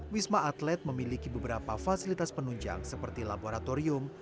wisma atlet memiliki beberapa fasilitas penunjang seperti laboratorium